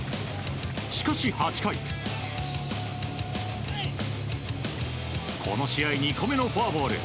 しかし８回この試合２個目のフォアボール。